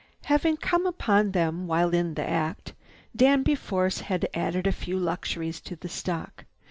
Having come upon them while in the act, Danby Force had added a few luxuries to the stock.